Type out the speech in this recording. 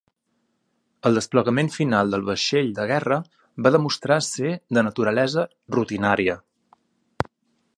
El desplegament final del vaixell de guerra va demostrar ser de naturalesa rutinària.